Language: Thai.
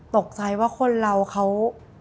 ตกใจว่าคนเราเขา